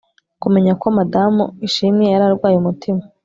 kumenya ko madamu ishimwe yari arwaye umutima